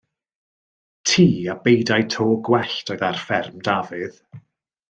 Tŷ a beudai to gwellt oedd ar fferm Dafydd.